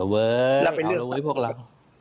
อ้าวเหรอเว้ยเอาเหรอพวกเรา